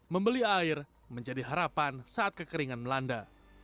membeli air menjadi harapan saat kekeringan melanda